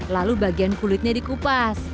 lalu bagian kulitnya dikupas